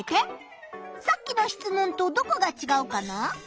さっきの質問とどこがちがうかな？